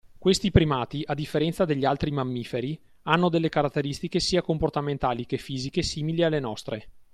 Questi primati, a differenza degli altri mammiferi, hanno delle caratteristiche sia comportamentali che fisiche simili alle nostre.